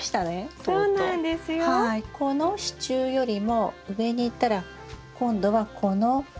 この支柱よりも上にいったら今度はこの。